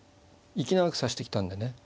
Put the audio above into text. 息長く指してきたんでね